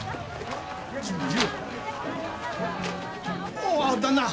おお旦那！